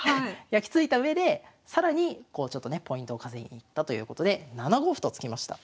やきついたうえで更にこうちょっとねポイントを稼ぎに行ったということで７五歩と突きました。